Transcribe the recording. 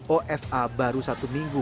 ofa baru satu minggu